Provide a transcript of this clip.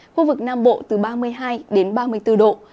khu vực nam bộ từ ba mươi hai đến ba mươi bốn độ